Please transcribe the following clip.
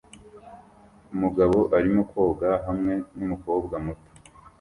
Umugabo arimo koga hamwe numukobwa muto